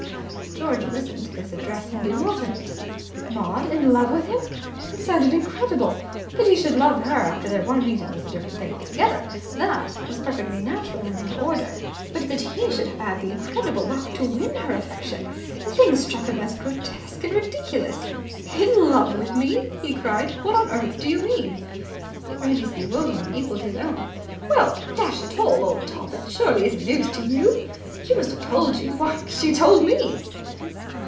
George listened to this address in bewilderment. Maud in love with him! It sounded incredible. That he should love her after their one meeting was a different thing altogether. That was perfectly natural and in order. But that he should have had the incredible luck to win her affection. The thing struck him as grotesque and ridiculous. "In love with me?" he cried. "What on earth do you mean?" Reggie's bewilderment equalled his own. "Well, dash it all, old top, it surely isn't news to you? She must have told you. Why, she told me!"